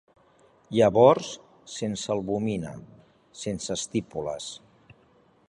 Llavors sense albúmina. Sense estípules.